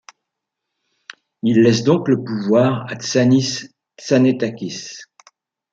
Il laisse donc le pouvoir à Tzannís Tzannetákis.